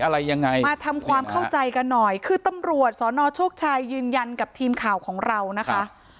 อะไรยังไงมาทำความเข้าใจกันหน่อยคือตำรวจสนโชคชัยยืนยันกับทีมข่าวของเรานะคะ